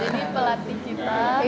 jadi pelatih kita